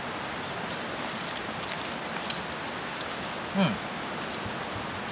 うん。